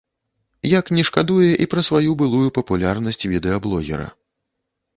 Як не шкадуе і пра сваю былую папулярнасць відэаблогера.